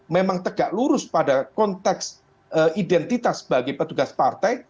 memang tegak lurus pada konteks identitas bagi petugas partai